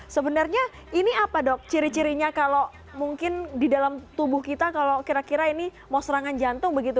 sebenarnya ini apa dok ciri cirinya kalau mungkin di dalam tubuh kita kalau kira kira ini mau serangan jantung begitu